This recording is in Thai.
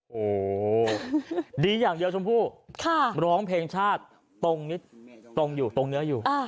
โอ้โหดีอย่างเดียวชมพู่ร้องเพลงชาติตรงนิดตรงอยู่ตรงเนื้ออยู่